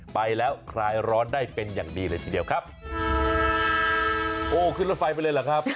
ไปแล้วคลายร้อนได้เป็นอย่างดีเลยทีเดียวครับโอ้ขึ้นรถไฟไปเลยเหรอครับ